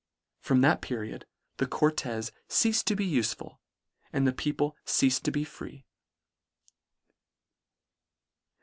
From that period the Cortes ceafed to be ufeful, and the people ceafed to be free.